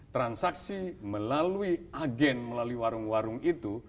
transaksi melalui agen melalui warung warung itu